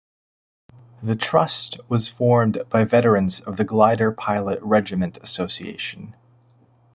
The trust was formed by veterans of the Glider Pilot Regiment Association.